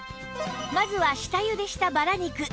まずは下茹でしたバラ肉